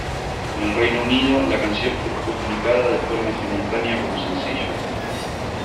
En el Reino Unido, la canción fue publicada de forma simultánea como sencillo.